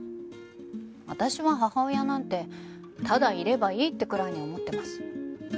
私は母親なんてただいればいいってくらいに思ってます。